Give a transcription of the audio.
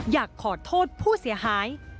อยากขอโทษผู้เสียหาย